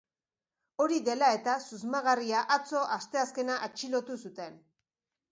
Hori dela eta, susmagarria atzo, asteazkena, atxilotu zuten.